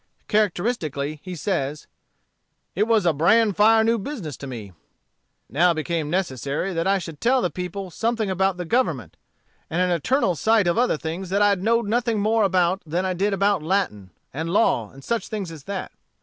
Characteristically he says: "It was a bran fire new business to me. It now became necessary that I should tell the people something about the Government, and an eternal sight of other things that I know'd nothing more about than I did about Latin, and law, and such things as that.